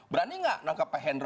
berani nggak nangkep pak hendro